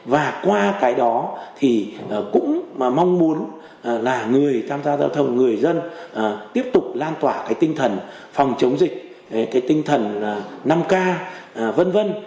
và qua cái đó thì cũng mong muốn là người tham gia giao thông người dân tiếp tục lan tỏa cái tinh thần phòng chống dịch cái tinh thần năm k v v